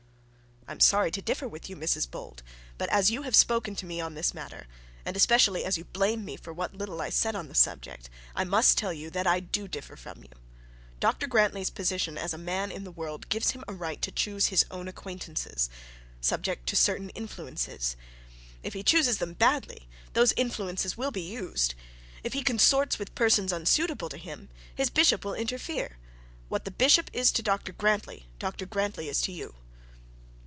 'I am sorry to differ with you, Mrs Bold; but as you have spoken to me on this matter, and especially as you blame me for what little I said on the subject, I must tell you that I do differ from you. Dr Grantly's position as a man in the world gives him a right to choose his own acquaintances, subject to certain influences. If he chooses them badly, those influences will be used. If he consorts with persons unsuitable to him, his bishop will interfere. What the bishop is to Dr Grantly, Dr Grantly is to you.'